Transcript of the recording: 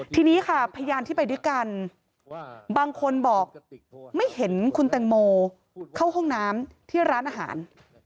ทีนี้ค่ะพยานที่ไปด้วยกันบางคนบอกไม่เห็นคุณแตงโมเข้าห้องน้ำที่ร้านอาหาร